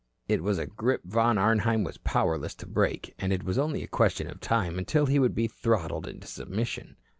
It was a grip Von Arnheim was powerless to break, and it was only a question of time until he would be throttled into submission.